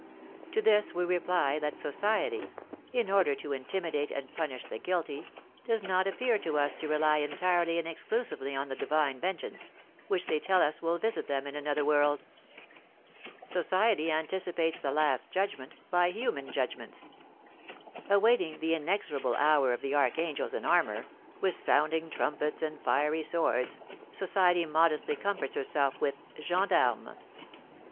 To this we reply that society, in order to intimidate and punish the guilty, does not appear to us to rely entirely and exclusively on the divine vengeance, which they tell us will visit them in another world. Society anticipates the last judgment by human judgments. Awaiting the inexorable hour of the archangels in armour, with sounding trumpets and fiery swords, society modestly comforts herself with gens d'armes.